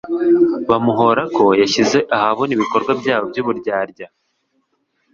bamuhora ko yashyize ahabona ibikorwa byabo by'uburyarya.